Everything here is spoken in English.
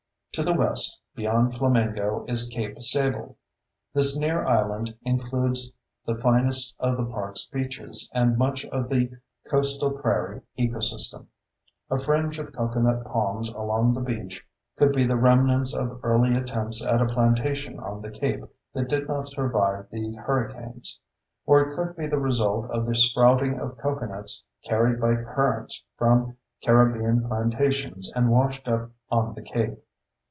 To the west beyond Flamingo is Cape Sable. This near island includes the finest of the park's beaches and much of the coastal prairie ecosystem. A fringe of coconut palms along the beach could be the remnants of early attempts at a plantation on the cape that did not survive the hurricanes; or it could be the result of the sprouting of coconuts carried by currents from Caribbean plantations and washed up on the cape.